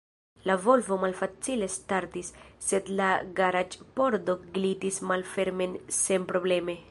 La Volvo malfacile startis, sed la garaĝ-pordo glitis malfermen senprobleme.